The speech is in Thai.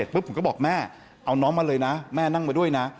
ปุ๊บผมก็บอกแม่เอาน้องมาเลยนะแม่นั่งมาด้วยนะ